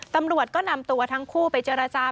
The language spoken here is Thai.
ตำรวจก็นำตัวทั้งคู่ไปเจรจา